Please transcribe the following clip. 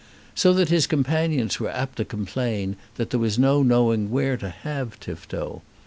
So that his companions were apt to complain that there was no knowing where to have Tifto.